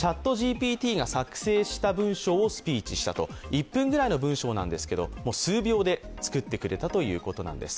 １分くらいの文章なんですけど、数秒で作ってくれたということなんです。